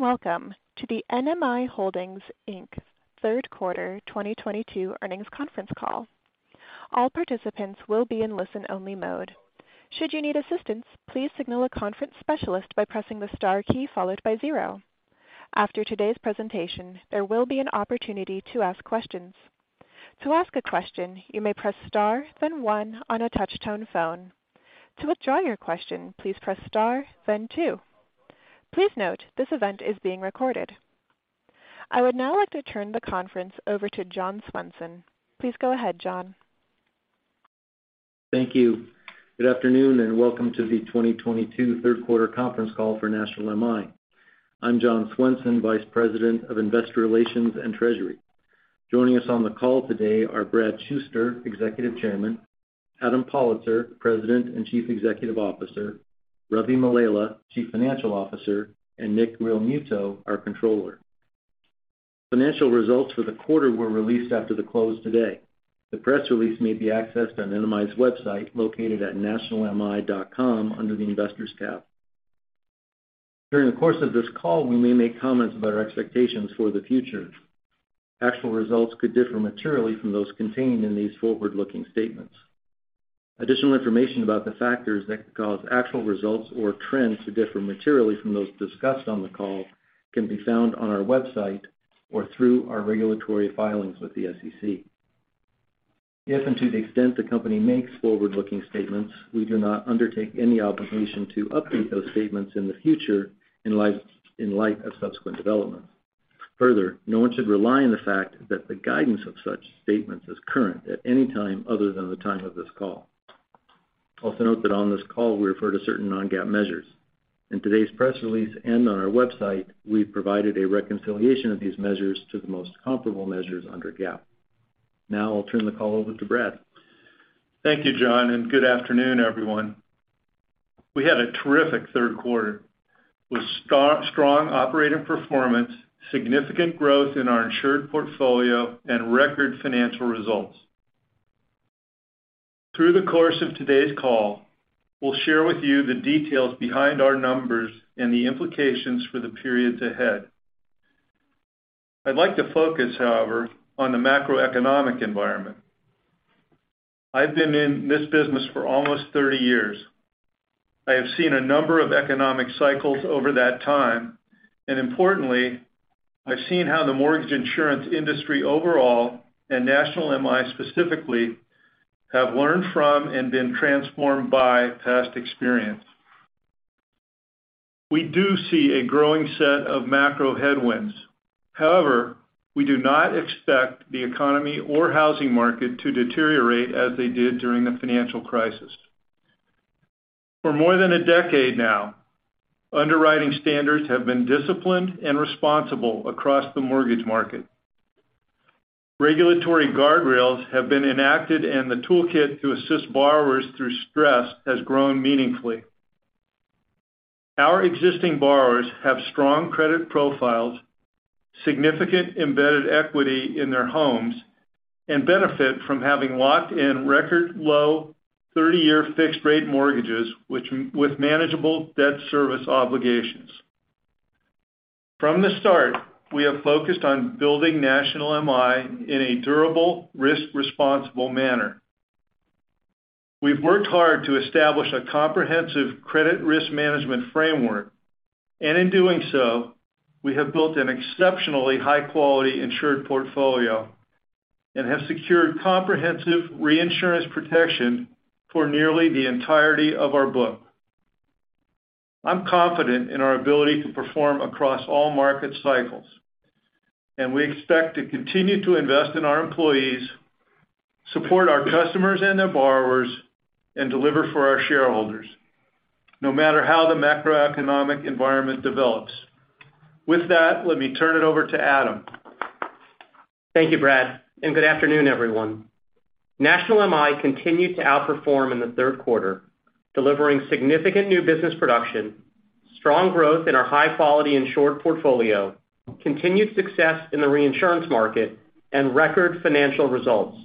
Hello, and welcome to the NMI Holdings, Inc. third quarter 2022 earnings conference call. All participants will be in listen-only mode. Should you need assistance, please signal a conference specialist by pressing the star key followed by zero. After today's presentation, there will be an opportunity to ask questions. To ask a question, you may press star then one on a touch-tone phone. To withdraw your question, please press star then two. Please note, this event is being recorded. I would now like to turn the conference over to John Swenson. Please go ahead, John. Thank you. Good afternoon, and welcome to the 2022 third quarter conference call for National MI. I'm John Swenson, Vice President of Investor Relations and Treasury. Joining us on the call today are Brad Shuster, Executive Chairman, Adam Pollitzer, President and Chief Executive Officer, Ravi Mallela, Chief Financial Officer, and Nick Realmuto, our Controller. Financial results for the quarter were released after the close today. The press release may be accessed on NMI's website located at nationalmi.com under the Investors tab. During the course of this call, we may make comments about our expectations for the future. Actual results could differ materially from those contained in these forward-looking statements. Additional information about the factors that could cause actual results or trends to differ materially from those discussed on the call can be found on our website or through our regulatory filings with the SEC. If and to the extent the company makes forward-looking statements, we do not undertake any obligation to update those statements in the future in light of subsequent developments. Further, no one should rely on the fact that the guidance of such statements is current at any time other than the time of this call. Also note that on this call, we refer to certain non-GAAP measures. In today's press release and on our website, we've provided a reconciliation of these measures to the most comparable measures under GAAP. Now I'll turn the call over to Brad. Thank you, John, and good afternoon, everyone. We had a terrific third quarter with strong operating performance, significant growth in our insured portfolio, and record financial results. Through the course of today's call, we'll share with you the details behind our numbers and the implications for the periods ahead. I'd like to focus, however, on the macroeconomic environment. I've been in this business for almost 30 years. I have seen a number of economic cycles over that time, and importantly, I've seen how the mortgage insurance industry overall, and National MI specifically, have learned from and been transformed by past experience. We do see a growing set of macro headwinds. However, we do not expect the economy or housing market to deteriorate as they did during the financial crisis. For more than a decade now, underwriting standards have been disciplined and responsible across the mortgage market. Regulatory guardrails have been enacted and the toolkit to assist borrowers through stress has grown meaningfully. Our existing borrowers have strong credit profiles, significant embedded equity in their homes, and benefit from having locked in record low 30-year fixed rate mortgages with manageable debt service obligations. From the start, we have focused on building National MI in a durable, risk-responsible manner. We've worked hard to establish a comprehensive credit risk management framework, and in doing so, we have built an exceptionally high-quality insured portfolio and have secured comprehensive reinsurance protection for nearly the entirety of our book. I'm confident in our ability to perform across all market cycles, and we expect to continue to invest in our employees, support our customers and their borrowers, and deliver for our shareholders, no matter how the macroeconomic environment develops. With that, let me turn it over to Adam. Thank you, Brad, and good afternoon, everyone. National MI continued to outperform in the third quarter, delivering significant new business production, strong growth in our high-quality insured portfolio, continued success in the reinsurance market, and record financial results.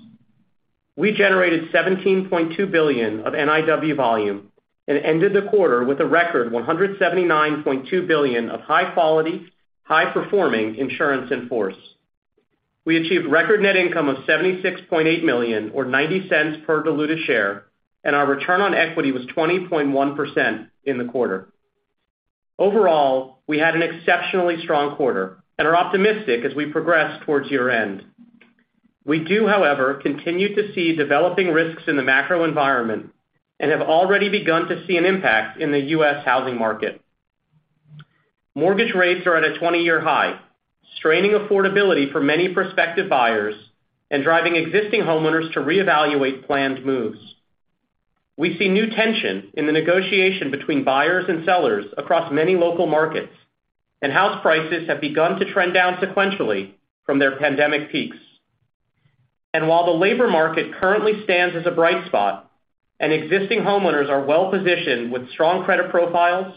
We generated $17.2 billion of NIW volume and ended the quarter with a record $179.2 billion of high quality, high performing insurance in force. We achieved record net income of $76.8 million or $0.90 per diluted share, and our return on equity was 20.1% in the quarter. Overall, we had an exceptionally strong quarter and are optimistic as we progress towards year-end. We do, however, continue to see developing risks in the macro environment and have already begun to see an impact in the U.S. housing market. Mortgage rates are at a 20-year high, straining affordability for many prospective buyers and driving existing homeowners to re-evaluate planned moves. We see new tension in the negotiation between buyers and sellers across many local markets, and house prices have begun to trend down sequentially from their pandemic peaks. While the labor market currently stands as a bright spot and existing homeowners are well-positioned with strong credit profiles,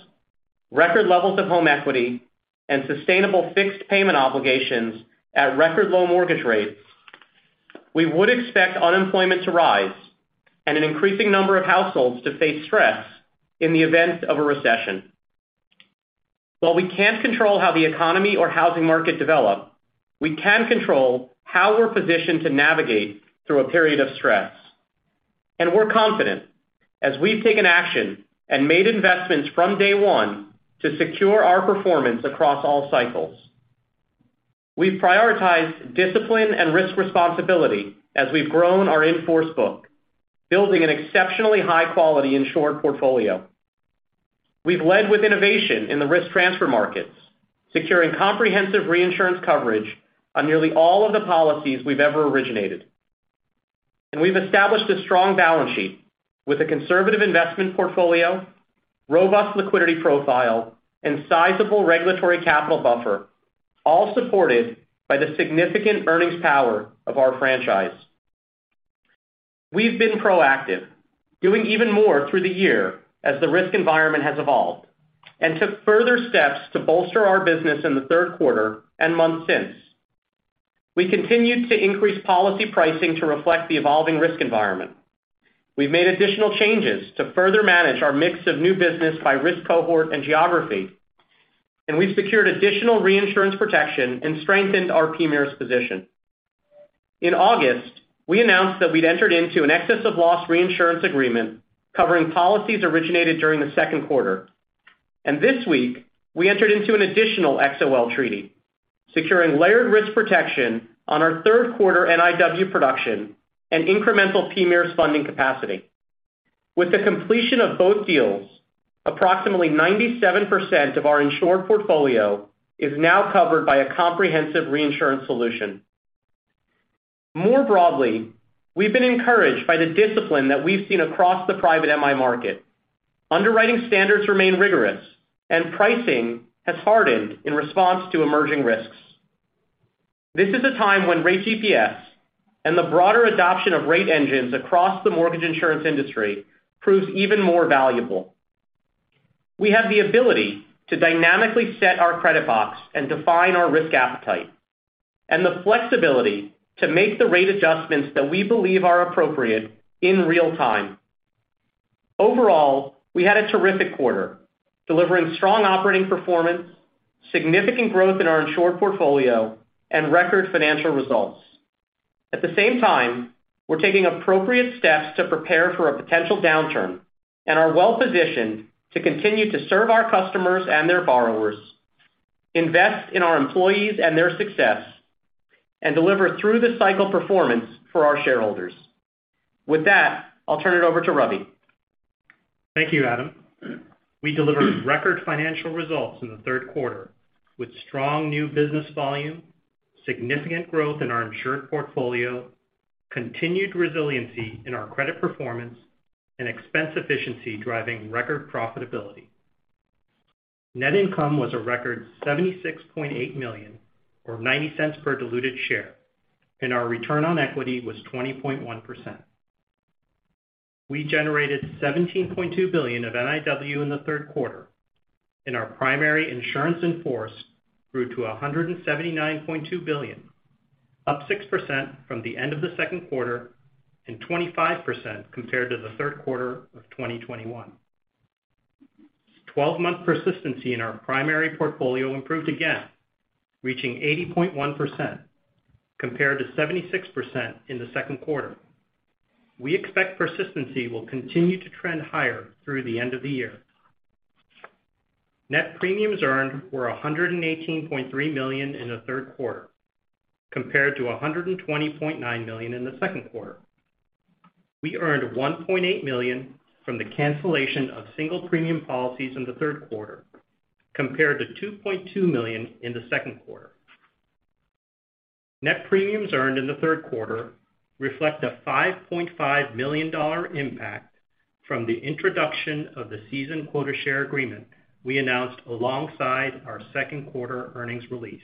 record levels of home equity, and sustainable fixed payment obligations at record low mortgage rates. We would expect unemployment to rise and an increasing number of households to face stress in the event of a recession. While we can't control how the economy or housing market develop, we can control how we're positioned to navigate through a period of stress. We're confident as we've taken action and made investments from day one to secure our performance across all cycles. We've prioritized discipline and risk responsibility as we've grown our in-force book, building an exceptionally high quality insured portfolio. We've led with innovation in the risk transfer markets, securing comprehensive reinsurance coverage on nearly all of the policies we've ever originated. We've established a strong balance sheet with a conservative investment portfolio, robust liquidity profile, and sizable regulatory capital buffer, all supported by the significant earnings power of our franchise. We've been proactive, doing even more through the year as the risk environment has evolved, and took further steps to bolster our business in the third quarter and months since. We continued to increase policy pricing to reflect the evolving risk environment. We've made additional changes to further manage our mix of new business by risk cohort and geography, and we've secured additional reinsurance protection and strengthened our PMIERs position. In August, we announced that we'd entered into an excess of loss reinsurance agreement covering policies originated during the second quarter. This week, we entered into an additional XoL treaty, securing layered risk protection on our third quarter NIW production and incremental PMIERs funding capacity. With the completion of both deals, approximately 97% of our insured portfolio is now covered by a comprehensive reinsurance solution. More broadly, we've been encouraged by the discipline that we've seen across the private MI market. Underwriting standards remain rigorous, and pricing has hardened in response to emerging risks. This is a time when Rate GPS and the broader adoption of rate engines across the mortgage insurance industry proves even more valuable. We have the ability to dynamically set our credit box and define our risk appetite, and the flexibility to make the rate adjustments that we believe are appropriate in real time. Overall, we had a terrific quarter, delivering strong operating performance, significant growth in our insured portfolio, and record financial results. At the same time, we're taking appropriate steps to prepare for a potential downturn and are well-positioned to continue to serve our customers and their borrowers, invest in our employees and their success, and deliver through the cycle performance for our shareholders. With that, I'll turn it over to Ravi. Thank you, Adam. We delivered record financial results in the third quarter with strong new business volume, significant growth in our insured portfolio, continued resiliency in our credit performance, and expense efficiency driving record profitability. Net income was a record $76.8 million or $0.90 per diluted share, and our return on equity was 20.1%. We generated $17.2 billion of NIW in the third quarter, and our primary insurance in force grew to $179.2 billion, up 6% from the end of the second quarter and 25% compared to the third quarter of 2021. Twelve-month persistency in our primary portfolio improved again, reaching 80.1% compared to 76% in the second quarter. We expect persistency will continue to trend higher through the end of the year. Net premiums earned were $118.3 million in the third quarter compared to $120.9 million in the second quarter. We earned $1.8 million from the cancellation of single premium policies in the third quarter compared to $2.2 million in the second quarter. Net premiums earned in the third quarter reflect a $5.5 million impact from the introduction of the seasoned quota share agreement we announced alongside our second quarter earnings release.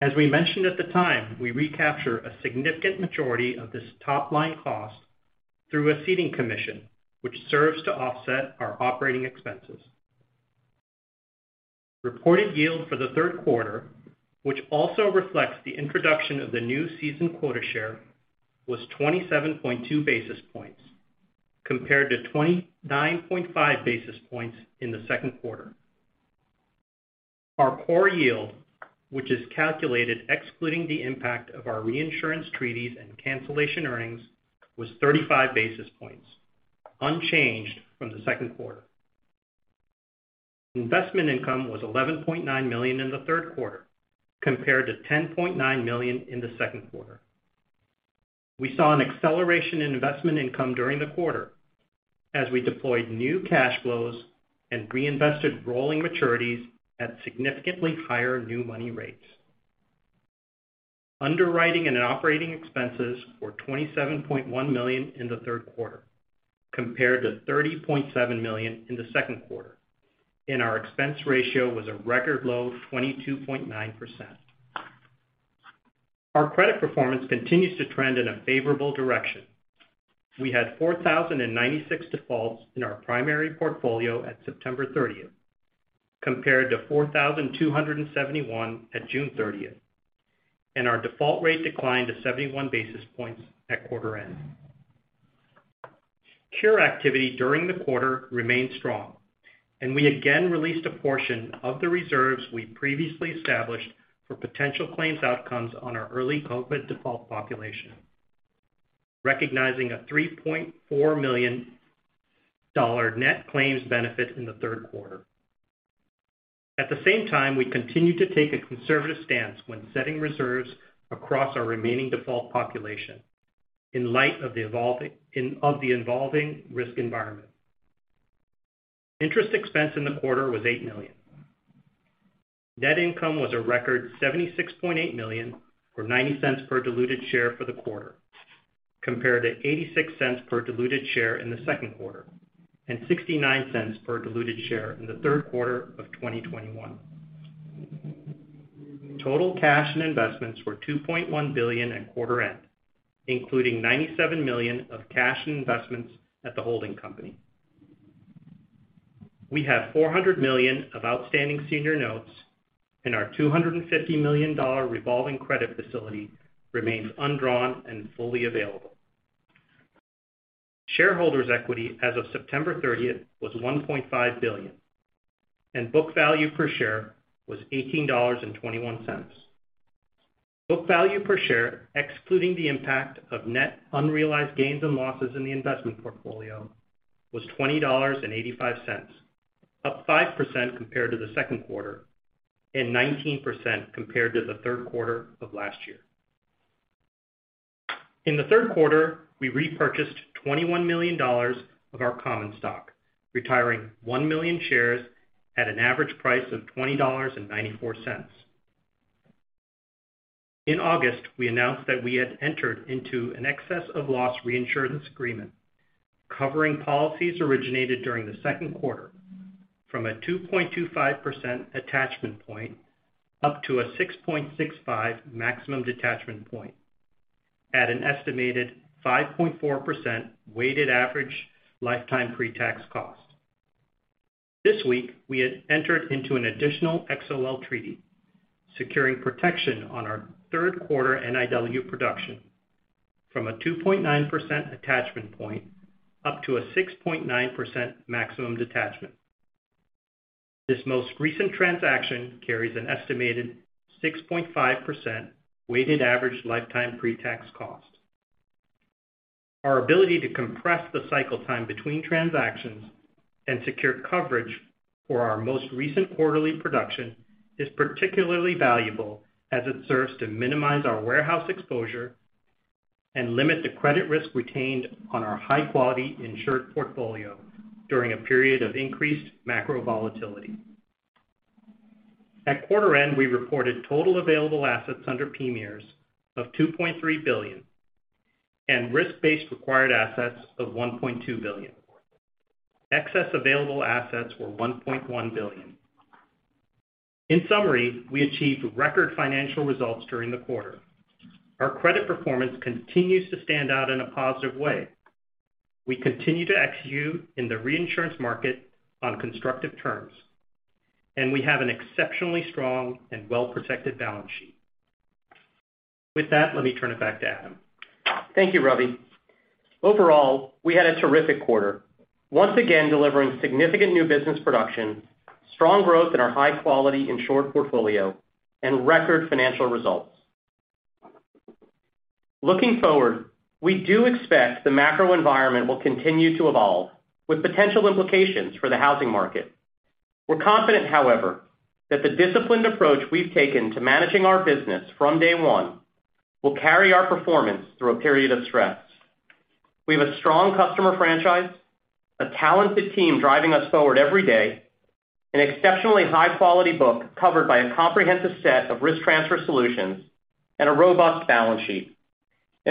As we mentioned at the time, we recapture a significant majority of this top line cost through a ceding commission, which serves to offset our operating expenses. Reported yield for the third quarter, which also reflects the introduction of the new seasoned quota share, was 27.2 basis points compared to 29.5 basis points in the second quarter. Our core yield, which is calculated excluding the impact of our reinsurance treaties and cancellation earnings, was 35 basis points, unchanged from the second quarter. Investment income was $11.9 million in the third quarter compared to $10.9 million in the second quarter. We saw an acceleration in investment income during the quarter as we deployed new cash flows and reinvested rolling maturities at significantly higher new money rates. Underwriting and operating expenses were $27.1 million in the third quarter compared to $30.7 million in the second quarter, and our expense ratio was a record low of 22.9%. Our credit performance continues to trend in a favorable direction. We had 4,096 defaults in our primary portfolio at September 30th, compared to 4,271 at June 30th, and our default rate declined to 71 basis points at quarter end. Cure activity during the quarter remained strong, and we again released a portion of the reserves we previously established for potential claims outcomes on our early COVID default population, recognizing a $3.4 million net claims benefit in the third quarter. At the same time, we continue to take a conservative stance when setting reserves across our remaining default population in light of the evolving risk environment. Interest expense in the quarter was $8 million. Net income was a record $76.8 million, or $0.90 per diluted share for the quarter, compared to $0.86 per diluted share in the second quarter and $0.69 per diluted share in the third quarter of 2021. Total cash and investments were $2.1 billion at quarter end, including $97 million of cash and investments at the holding company. We have $400 million of outstanding senior notes, and our $250 million revolving credit facility remains undrawn and fully available. Shareholders' equity as of September 30th was $1.5 billion, and book value per share was $18.21. Book value per share, excluding the impact of net unrealized gains and losses in the investment portfolio, was $20.85, up 5% compared to the second quarter and 19% compared to the third quarter of last year. In the third quarter, we repurchased $21 million of our common stock, retiring 1 million shares at an average price of $20.94. In August, we announced that we had entered into an excess of loss reinsurance agreement covering policies originated during the second quarter from a 2.25% attachment point up to a 6.65 maximum detachment point at an estimated 5.4% weighted average lifetime pre-tax cost. This week, we had entered into an additional XoL treaty, securing protection on our third quarter NIW production from a 2.9% attachment point up to a 6.9% maximum detachment point. This most recent transaction carries an estimated 6.5% weighted average lifetime pre-tax cost. Our ability to compress the cycle time between transactions and secure coverage for our most recent quarterly production is particularly valuable as it serves to minimize our warehouse exposure and limit the credit risk retained on our high-quality insured portfolio during a period of increased macro volatility. At quarter end, we reported total available assets under PMIERs of $2.3 billion and risk-based required assets of $1.2 billion. Excess available assets were $1.1 billion. In summary, we achieved record financial results during the quarter. Our credit performance continues to stand out in a positive way. We continue to execute in the reinsurance market on constructive terms, and we have an exceptionally strong and well-protected balance sheet. With that, let me turn it back to Adam. Thank you, Ravi. Overall, we had a terrific quarter, once again delivering significant new business production, strong growth in our high-quality insured portfolio, and record financial results. Looking forward, we do expect the macro environment will continue to evolve with potential implications for the housing market. We're confident, however, that the disciplined approach we've taken to managing our business from day one will carry our performance through a period of stress. We have a strong customer franchise, a talented team driving us forward every day, an exceptionally high-quality book covered by a comprehensive set of risk transfer solutions, and a robust balance sheet.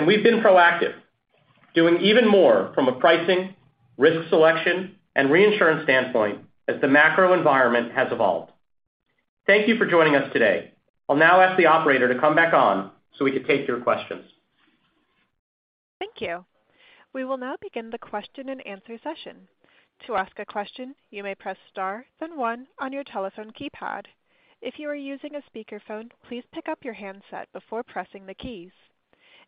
We've been proactive, doing even more from a pricing, risk selection, and reinsurance standpoint as the macro environment has evolved. Thank you for joining us today. I'll now ask the operator to come back on so we can take your questions. Thank you. We will now begin the Q&A session. To ask a question, you may press star then one on your telephone keypad. If you are using a speakerphone, please pick up your handset before pressing the keys.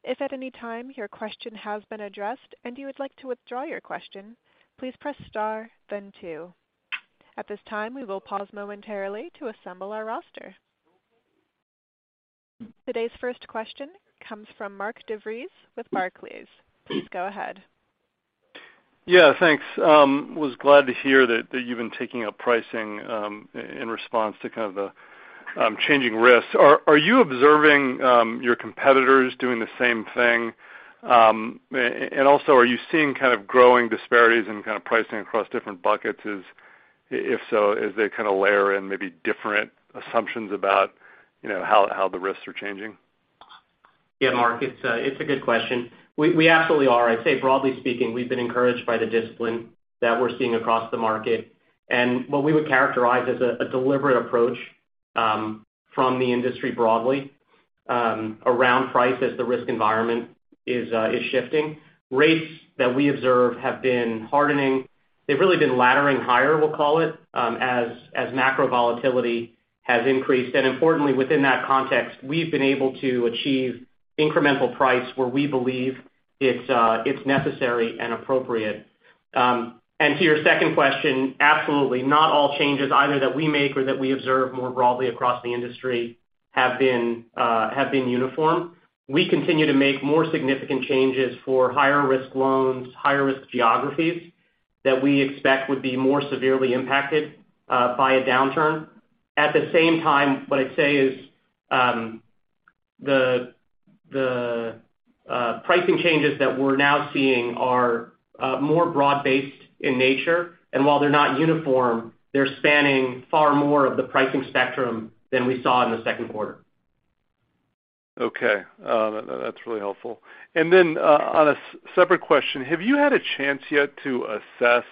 If at any time your question has been addressed and you would like to withdraw your question, please press star then two. At this time, we will pause momentarily to assemble our roster. Today's first question comes from Mark DeVries with Barclays. Please go ahead. Yeah, thanks. Was glad to hear that you've been taking up pricing in response to kind of the changing risks. Are you observing your competitors doing the same thing? Also are you seeing kind of growing disparities in kind of pricing across different buckets? If so, as they kind of layer in maybe different assumptions about, you know, how the risks are changing? Yeah, Mark, it's a good question. We absolutely are. I'd say broadly speaking, we've been encouraged by the discipline that we're seeing across the market and what we would characterize as a deliberate approach from the industry broadly around price as the risk environment is shifting. Rates that we observe have been hardening. They've really been laddering higher, we'll call it, as macro volatility has increased. Importantly, within that context, we've been able to achieve incremental price where we believe it's necessary and appropriate. To your second question, absolutely not all changes either that we make or that we observe more broadly across the industry have been uniform. We continue to make more significant changes for higher risk loans, higher risk geographies that we expect would be more severely impacted by a downturn. At the same time, what I'd say is, the pricing changes that we're now seeing are more broad-based in nature, and while they're not uniform, they're spanning far more of the pricing spectrum than we saw in the second quarter. Okay. That's really helpful. On a separate question, have you had a chance yet to assess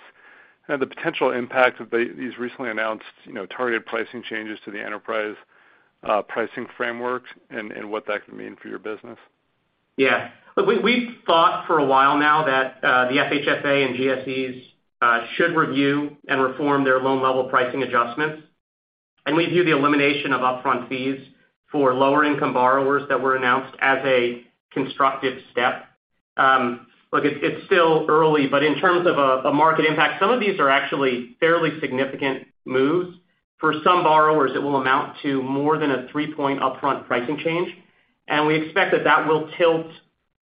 the potential impact of these recently announced, you know, targeted pricing changes to the enterprise pricing frameworks and what that can mean for your business? Yeah. We've thought for a while now that the FHFA and GSEs should review and reform their loan-level pricing adjustments. We view the elimination of upfront fees for lower-income borrowers that were announced as a constructive step. Look, it's still early, but in terms of a market impact, some of these are actually fairly significant moves. For some borrowers, it will amount to more than a three-point upfront pricing change. We expect that will tilt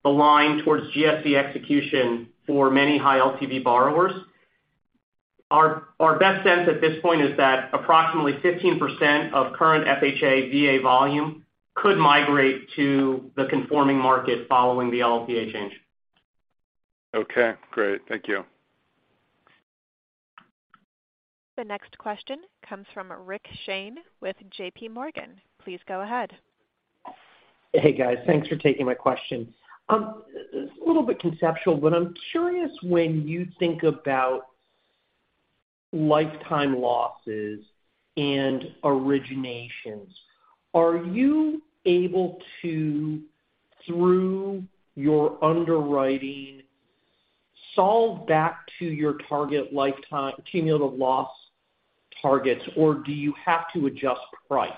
the line towards GSE execution for many high LTV borrowers. Our best sense at this point is that approximately 15% of current FHA-VA volume could migrate to the conforming market following the LLPA change. Okay, great. Thank you. The next question comes from Ryan Shane with JPMorgan. Please go ahead. Hey, guys. Thanks for taking my question. A little bit conceptual, but I'm curious when you think about lifetime losses and originations, are you able to, through your underwriting, solve back to your target lifetime cumulative loss targets, or do you have to adjust price?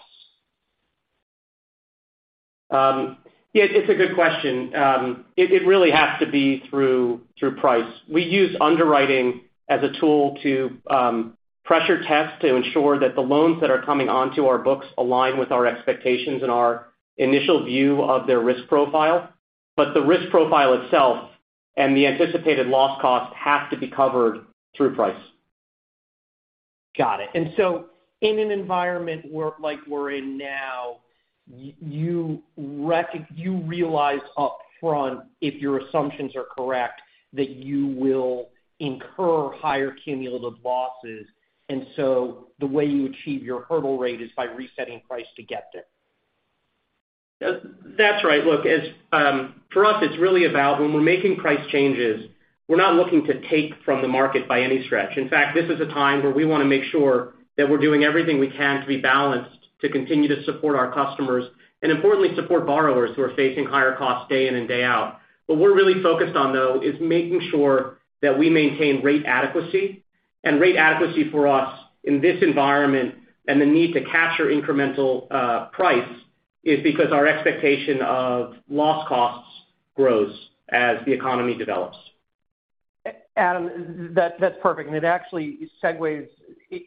Yeah, it's a good question. It really has to be through price. We use underwriting as a tool to pressure test to ensure that the loans that are coming onto our books align with our expectations and our initial view of their risk profile. The risk profile itself and the anticipated loss cost have to be covered through price. Got it. In an environment where, like we're in now, you realize upfront if your assumptions are correct that you will incur higher cumulative losses. The way you achieve your hurdle rate is by resetting price to get there. That's right. Look, as for us, it's really about when we're making price changes, we're not looking to take from the market by any stretch. In fact, this is a time where we want to make sure that we're doing everything we can to be balanced, to continue to support our customers, and importantly, support borrowers who are facing higher costs day in and day out. What we're really focused on, though, is making sure that we maintain rate adequacy. Rate adequacy for us in this environment and the need to capture incremental price is because our expectation of loss costs grows as the economy develops. Adam, that's perfect. It actually segues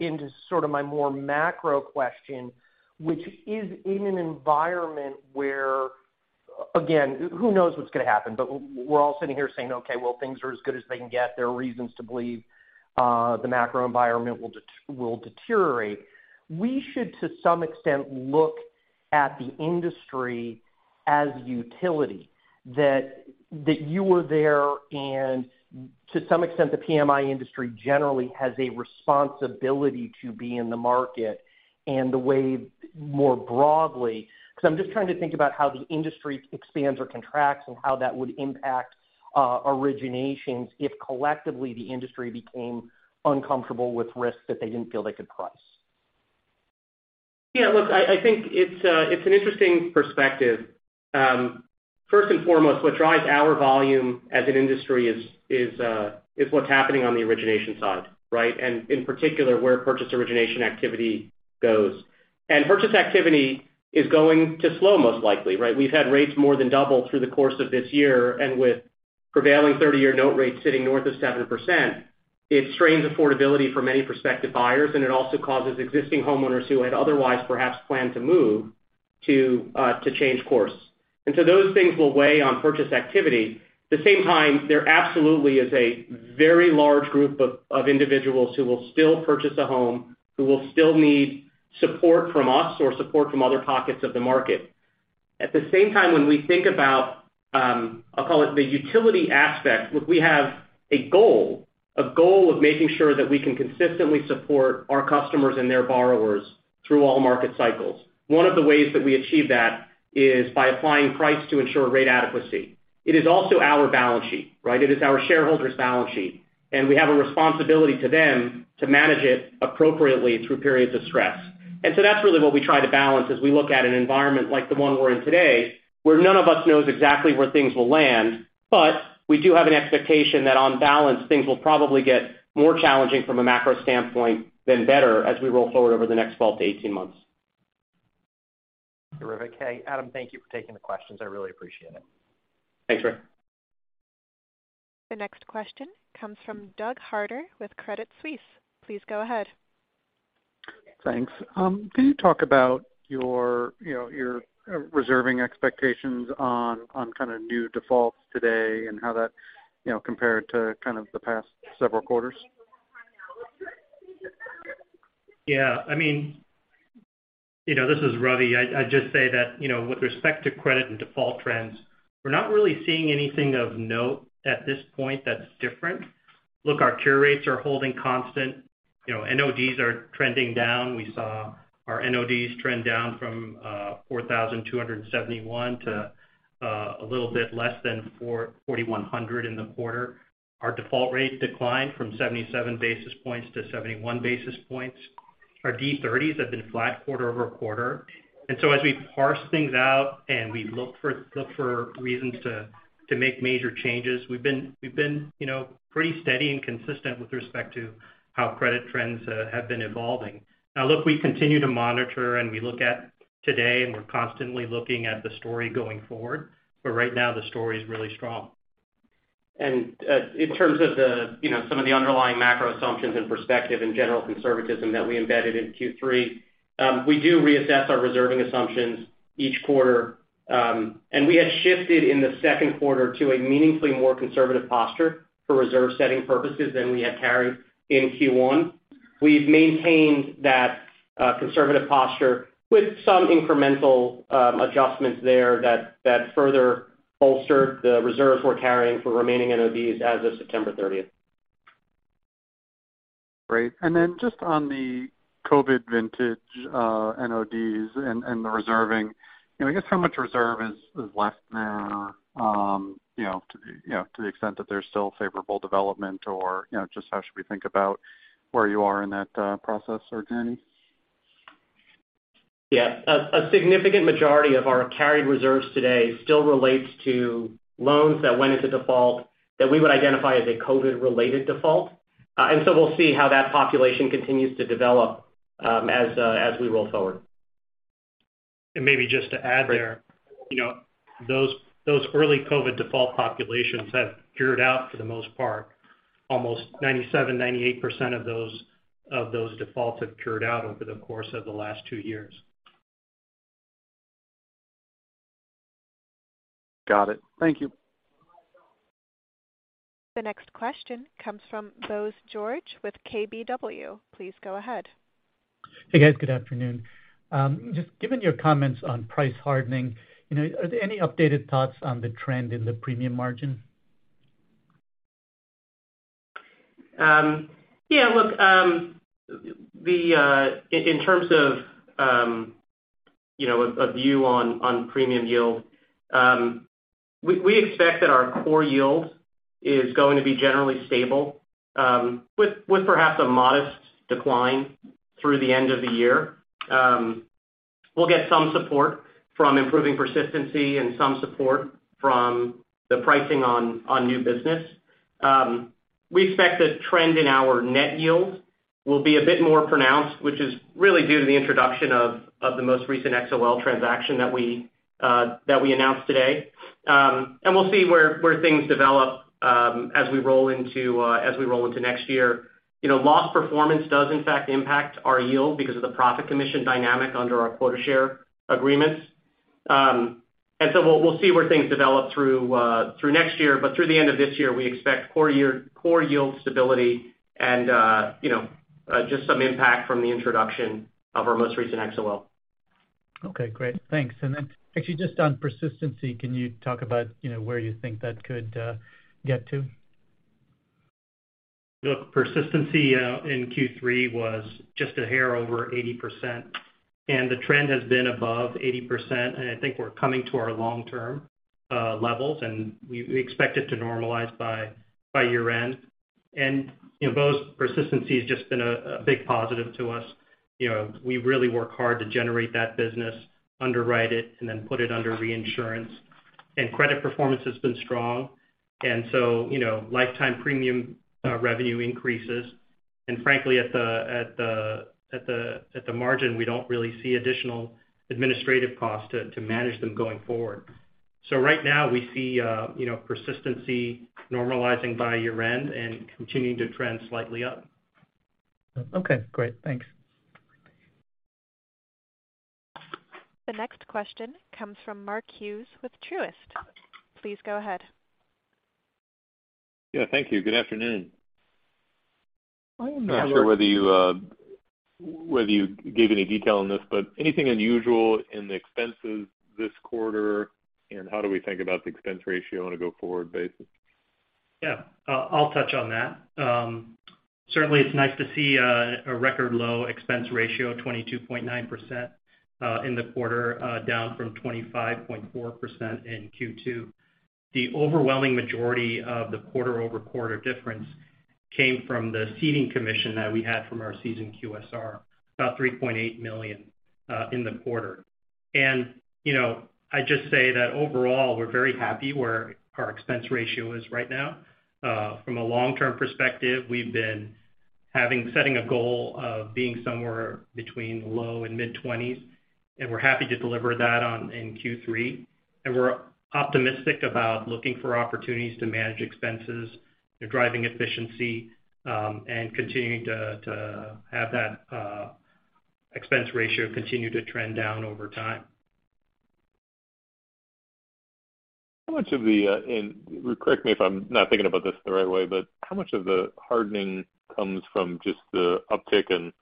into sort of my more macro question, which is in an environment where, again, who knows what's going to happen, but we're all sitting here saying, okay, well, things are as good as they can get. There are reasons to believe the macro environment will deteriorate. We should, to some extent, look at the industry as utility that you were there. To some extent, the PMI industry generally has a responsibility to be in the market and the way more broadly. I'm just trying to think about how the industry expands or contracts and how that would impact originations if collectively the industry became uncomfortable with risks that they didn't feel they could price. Yeah. Look, I think it's an interesting perspective. First and foremost, what drives our volume as an industry is what's happening on the origination side, right? In particular, where purchase origination activity goes. Purchase activity is going to slow most likely, right? We've had rates more than double through the course of this year. With prevailing 30-year note rates sitting north of 7%, it strains affordability for many prospective buyers, and it also causes existing homeowners who had otherwise perhaps planned to move to change course. Those things will weigh on purchase activity. At the same time, there absolutely is a very large group of individuals who will still purchase a home, who will still need support from us or support from other pockets of the market. At the same time, when we think about, I'll call it the utility aspect, look, we have a goal. A goal of making sure that we can consistently support our customers and their borrowers through all market cycles. One of the ways that we achieve that is by applying price to ensure rate adequacy. It is also our balance sheet, right? It is our shareholders' balance sheet, and we have a responsibility to them to manage it appropriately through periods of stress. That's really what we try to balance as we look at an environment like the one we're in today, where none of us knows exactly where things will land, but we do have an expectation that on balance, things will probably get more challenging from a macro standpoint than better as we roll forward over the next 12-18 months. Terrific. Hey, Adam, thank you for taking the questions. I really appreciate it. Thanks, Rick Shane. The next question comes from Douglas Harter with Credit Suisse. Please go ahead. Thanks. Can you talk about your, you know, reserving expectations on kind of new defaults today and how that, you know, compared to kind of the past several quarters? Yeah. I mean, you know, this is Ravi. I just say that, you know, with respect to credit and default trends, we're not really seeing anything of note at this point that's different. Look, our cure rates are holding constant. You know, NODs are trending down. We saw our NODs trend down from 4,271 to a little bit less than 4,100 in the quarter. Our default rate declined from 77 basis points to 71 basis points. Our D30s have been flat quarter-over-quarter. As we parse things out and we look for reasons to make major changes, we've been you know, pretty steady and consistent with respect to how credit trends have been evolving. Now, look, we continue to monitor and we look at today, and we're constantly looking at the story going forward, but right now the story is really strong. In terms of the, you know, some of the underlying macro assumptions and perspective and general conservatism that we embedded in Q3, we do reassess our reserving assumptions each quarter. We had shifted in the second quarter to a meaningfully more conservative posture for reserve setting purposes than we had carried in Q1. We've maintained that conservative posture with some incremental adjustments there that further bolstered the reserves we're carrying for remaining NODs as of September 30th. Great. Just on the COVID vintage, NODs and the reserving, you know, I guess how much reserve is left there, you know, to the, you know, to the extent that there's still favorable development or, you know, just how should we think about where you are in that, process or journey? Yeah. A significant majority of our carried reserves today still relates to loans that went into default that we would identify as a COVID-related default. We'll see how that population continues to develop, as we roll forward. Maybe just to add there, you know, those early COVID default populations have cured out for the most part. Almost 97%-98% of those defaults have cured out over the course of the last two years. Got it. Thank you. The next question comes from Bose George with KBW. Please go ahead. Hey, guys. Good afternoon. Just given your comments on price hardening, you know, are there any updated thoughts on the trend in the premium margin? Yeah, look, in terms of you know, a view on premium yield, we expect that our core yield is going to be generally stable, with perhaps a modest decline through the end of the year. We'll get some support from improving persistency and some support from the pricing on new business. We expect the trend in our net yield will be a bit more pronounced, which is really due to the introduction of the most recent XoL transaction that we announced today. We'll see where things develop, as we roll into next year. You know, loss performance does in fact impact our yield because of the profit commission dynamic under our quota share agreements. We'll see where things develop through next year. Through the end of this year, we expect core yield stability and, you know, just some impact from the introduction of our most recent XoL. Okay. Great. Thanks. Actually just on persistency, can you talk about, you know, where you think that could get to? Look, persistency in Q3 was just a hair over 80%, and the trend has been above 80%, and I think we're coming to our long-term levels and we expect it to normalize by year-end. You know, Bose, persistency has just been a big positive to us. You know, we really work hard to generate that business, underwrite it, and then put it under reinsurance. Credit performance has been strong. You know, lifetime premium revenue increases. Frankly, at the margin, we don't really see additional administrative costs to manage them going forward. Right now we see, you know, persistency normalizing by year-end and continuing to trend slightly up. Okay, great. Thanks. The next question comes from Mark Hughes with Truist. Please go ahead. Yeah, thank you. Good afternoon. I'm not sure whether you gave any detail on this, but anything unusual in the expenses this quarter, and how do we think about the expense ratio on a go-forward basis? Yeah. I'll touch on that. Certainly it's nice to see a record low expense ratio, 22.9%, in the quarter, down from 25.4% in Q2. The overwhelming majority of the quarter-over-quarter difference came from the ceding commission that we had from our seasoned QSR, about $3.8 million, in the quarter. You know, I'd just say that overall, we're very happy where our expense ratio is right now. From a long-term perspective, we've been setting a goal of being somewhere between low and mid-twenties, and we're happy to deliver that, in Q3. We're optimistic about looking for opportunities to manage expenses, driving efficiency, and continuing to have that expense ratio continue to trend down over time. How much of the and correct me if I'm not thinking about this the right way, but how much of the hardening comes from just the uptick in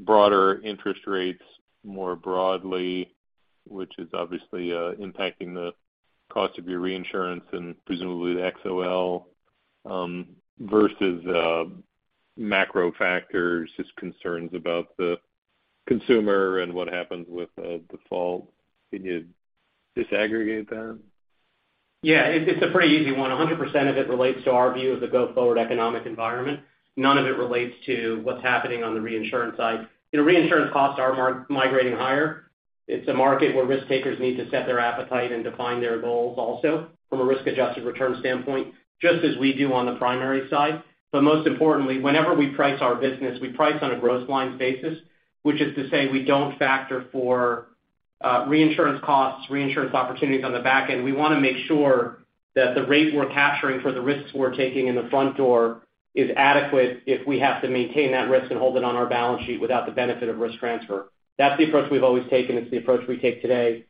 broader interest rates more broadly, which is obviously impacting the cost of your reinsurance and presumably the XoL versus macro factors, just concerns about the consumer and what happens with a default? Can you disaggregate that? Yeah. It's a pretty easy one. 100% of it relates to our view of the go-forward economic environment. None of it relates to what's happening on the reinsurance side. You know, reinsurance costs are migrating higher. It's a market where risk-takers need to set their appetite and define their goals also from a risk-adjusted return standpoint, just as we do on the primary side. Most importantly, whenever we price our business, we price on a gross lines basis, which is to say we don't factor for reinsurance costs, reinsurance opportunities on the back end. We wanna make sure that the rate we're capturing for the risks we're taking in the front door is adequate if we have to maintain that risk and hold it on our balance sheet without the benefit of risk transfer. That's the approach we've always taken. It's the approach we take today.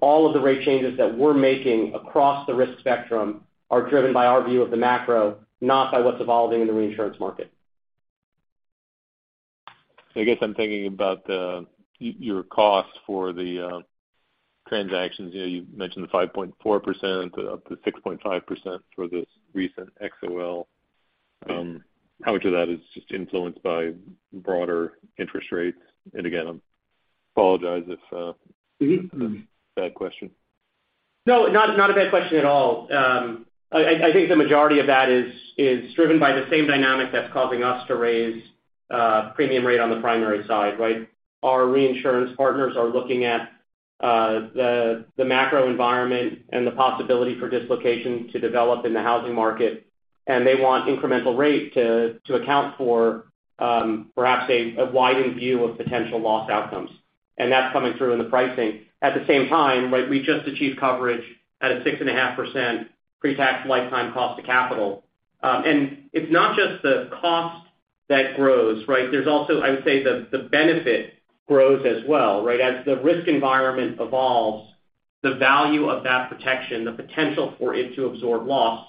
All of the rate changes that we're making across the risk spectrum are driven by our view of the macro, not by what's evolving in the reinsurance market. I guess I'm thinking about your cost for the transactions. You know, you've mentioned the 5.4%-6.5% for this recent XoL. How much of that is just influenced by broader interest rates? Again, I apologize if it's a. Mm-hmm. Mm-hmm. Bad question. No, not a bad question at all. I think the majority of that is driven by the same dynamic that's causing us to raise premium rate on the primary side, right? Our reinsurance partners are looking at the macro environment and the possibility for dislocation to develop in the housing market, and they want incremental rate to account for perhaps a widened view of potential loss outcomes. That's coming through in the pricing. At the same time, right, we just achieved coverage at a 6.5% pre-tax lifetime cost of capital. It's not just the cost that grows, right? There's also, I would say, the benefit grows as well, right? As the risk environment evolves, the value of that protection, the potential for it to absorb loss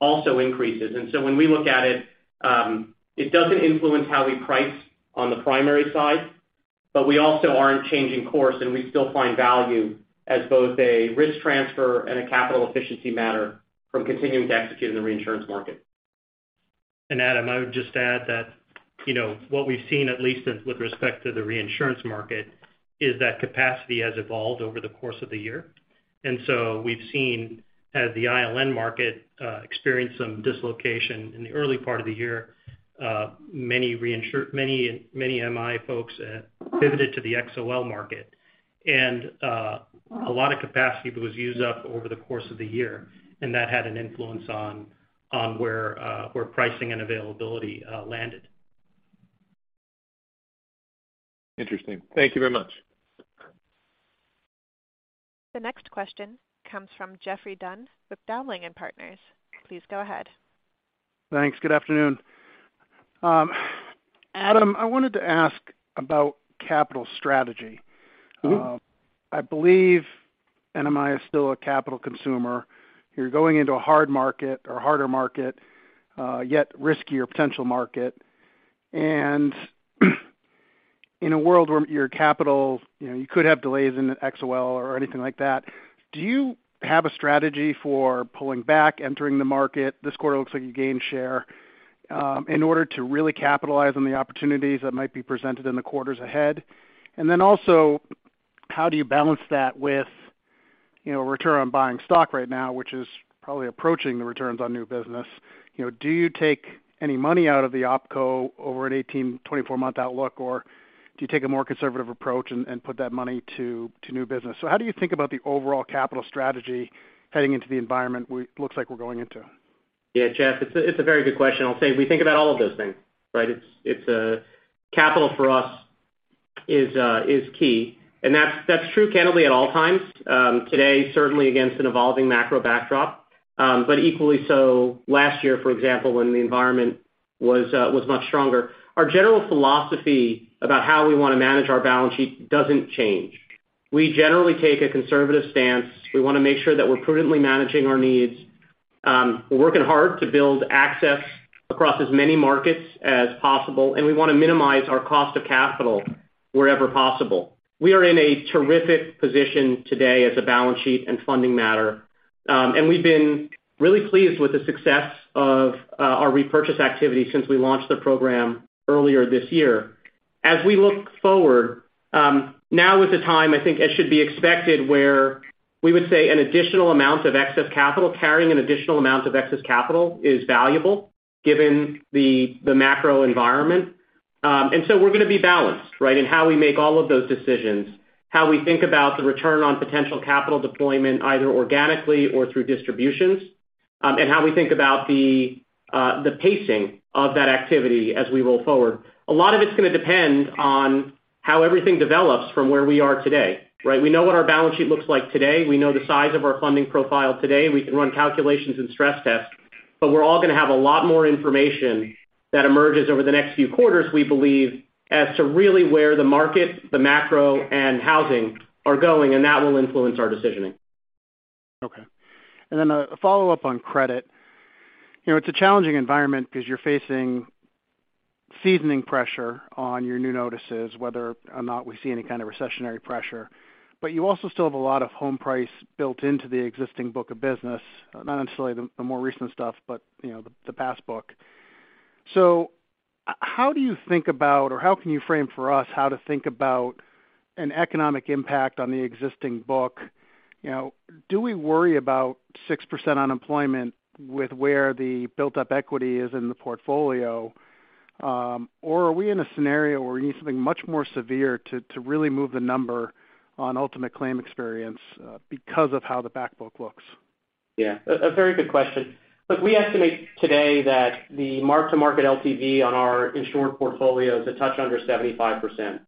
also increases. When we look at it doesn't influence how we price on the primary side, but we also aren't changing course, and we still find value as both a risk transfer and a capital efficiency matter from continuing to execute in the reinsurance market. Adam, I would just add that, you know, what we've seen, at least as with respect to the reinsurance market, is that capacity has evolved over the course of the year. We've seen as the ILN market experience some dislocation in the early part of the year, many Mi folks pivoted to the XoL market. A lot of capacity was used up over the course of the year, and that had an influence on where pricing and availability landed. Interesting. Thank you very much. The next question comes from Geoffrey Dunn with Dowling & Partners. Please go ahead. Thanks. Good afternoon. Adam, I wanted to ask about capital strategy. Mm-hmm. I believe NMI is still a capital consumer. You're going into a hard market or harder market, yet riskier potential market. In a world where your capital, you know, you could have delays in XoL or anything like that, do you have a strategy for pulling back, entering the market, this quarter looks like a quota share, in order to really capitalize on the opportunities that might be presented in the quarters ahead? Then also, how do you balance that with, you know, return on buying stock right now, which is probably approaching the returns on new business. You know, do you take any money out of the opco over an 18, 24-month outlook, or do you take a more conservative approach and put that money to new business? How do you think about the overall capital strategy heading into the environment it looks like we're going into? Yeah, Jeffrey, it's a very good question. I'll say we think about all of those things, right? Capital for us is key, and that's true candidly at all times. Today, certainly against an evolving macro backdrop, but equally so last year, for example, when the environment was much stronger. Our general philosophy about how we wanna manage our balance sheet doesn't change. We generally take a conservative stance. We wanna make sure that we're prudently managing our needs. We're working hard to build access across as many markets as possible, and we wanna minimize our cost of capital wherever possible. We are in a terrific position today as a balance sheet and funding matter, and we've been really pleased with the success of our repurchase activity since we launched the program earlier this year. As we look forward, now is the time, I think, as should be expected, where we would say an additional amount of excess capital, carrying an additional amount of excess capital is valuable given the macro environment. We're gonna be balanced, right, in how we make all of those decisions, how we think about the return on potential capital deployment, either organically or through distributions. How we think about the pacing of that activity as we roll forward. A lot of it's gonna depend on how everything develops from where we are today, right? We know what our balance sheet looks like today. We know the size of our funding profile today. We can run calculations and stress tests, but we're all gonna have a lot more information that emerges over the next few quarters, we believe, as to really where the market, the macro, and housing are going, and that will influence our decisioning. Okay. A follow-up on credit. You know, it's a challenging environment 'cause you're facing seasoning pressure on your new notices, whether or not we see any kind of recessionary pressure. You also still have a lot of home price built into the existing book of business, not necessarily the more recent stuff but, you know, the past book. How do you think about or how can you frame for us how to think about an economic impact on the existing book? You know, do we worry about 6% unemployment with where the built-up equity is in the portfolio, or are we in a scenario where we need something much more severe to really move the number on ultimate claim experience, because of how the back book looks? Yeah, a very good question. Look, we estimate today that the mark-to-market LTV on our insured portfolio is a touch under 75%.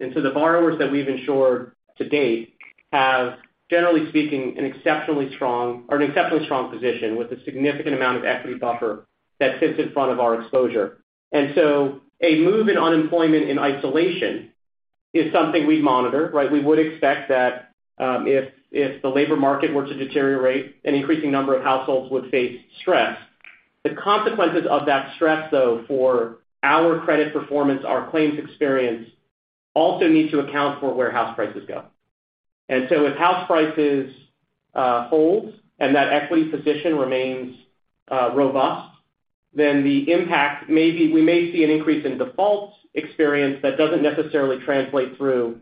The borrowers that we've insured to date have, generally speaking, an exceptionally strong position with a significant amount of equity buffer that sits in front of our exposure. A move in unemployment in isolation is something we monitor, right? We would expect that, if the labor market were to deteriorate, an increasing number of households would face stress. The consequences of that stress, though, for our credit performance, our claims experience, also need to account for where house prices go. If house prices hold and that equity position remains robust, then the impact may be we see an increase in default experience that doesn't necessarily translate through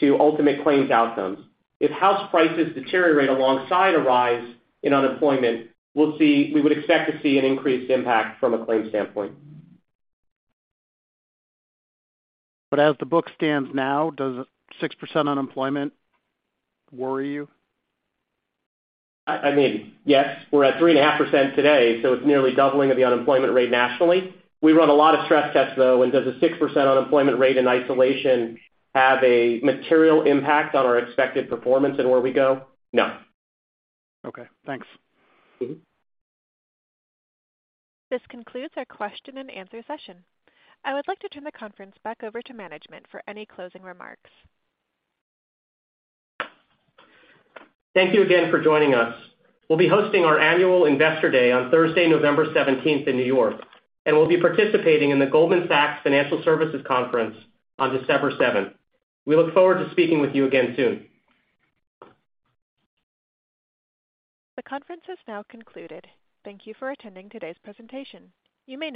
to ultimate claims outcomes. If house prices deteriorate alongside a rise in unemployment, we would expect to see an increased impact from a claims standpoint. As the book stands now, does 6% unemployment worry you? I mean, yes. We're at 3.5% today, so it's nearly doubling of the unemployment rate nationally. We run a lot of stress tests, though. Does a 6% unemployment rate in isolation have a material impact on our expected performance and where we go? No. Okay, thanks. Mm-hmm. This concludes our Q&A session. I would like to turn the conference back over to management for any closing remarks. Thank you again for joining us. We'll be hosting our annual Investor Day on Thursday, November 17th, in New York, and we'll be participating in the Goldman Sachs Financial Services Conference on December 7th. We look forward to speaking with you again soon. The conference has now concluded. Thank you for attending today's presentation. You may